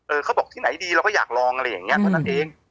เขาบอกที่ไหนดีเราก็อยากลองอะไรอย่างนี้เท่านั้นเอง